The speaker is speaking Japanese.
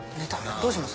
どうします？